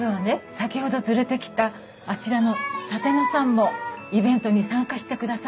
先ほど連れてきたあちらの舘野さんもイベントに参加してくださったんです。